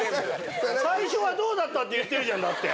「最初はどうだった？」って言ってるじゃんだって。